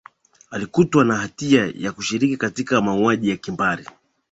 alikutwa na hatia ya kushiriki katika mauaji ya kimbari